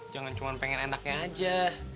jangan cuma pengen enaknya aja